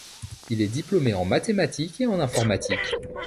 Il est diplômé en mathématiques et en informatique.